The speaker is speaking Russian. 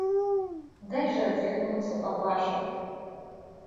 Дай же отряхнуться, папаша.